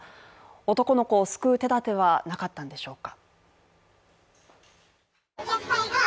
男の子を救う手立てはなかったんでしょうか？